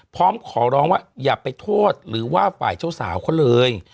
พร้อมขอร้องว่าอย่าไปโทษหรือว่าฝ่ายเจ้าสาวเขาเลย